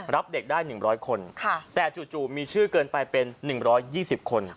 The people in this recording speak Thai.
รับเด็กได้๑๐๐คนแต่จู่มีชื่อเกินไปเป็น๑๒๐คน